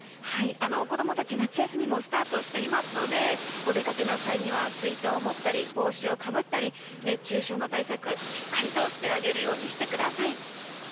子供たち夏休みもスタートしていますのでお出かけの際には水筒を持ったり帽子をかぶったり熱中症の対策しっかりとしてあげるようにしてください。